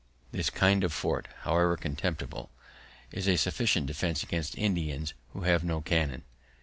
"_ This kind of fort, however contemptible, is a sufficient defense against Indians, who have no cannon.